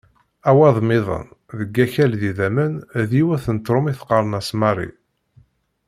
Awadem-iḍen deg "Akal d idammen", d yiwet n tṛumit qqaren-as Marie.